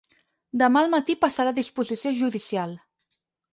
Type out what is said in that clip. Demà al matí passarà a disposició judicial.